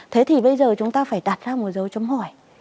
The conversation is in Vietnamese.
thế thì bây giờ chúng ta phải đặt ra một dấu chấm hỏi